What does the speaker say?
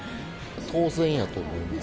当然やと思います。